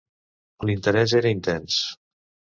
L"interès era intens.